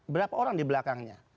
berapa orang di belakangnya